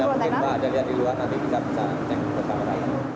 yang mungkin pak dari luar nanti bisa cek